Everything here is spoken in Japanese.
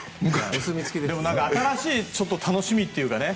新しい楽しみというかね。